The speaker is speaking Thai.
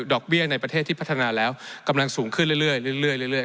เบี้ยในประเทศที่พัฒนาแล้วกำลังสูงขึ้นเรื่อย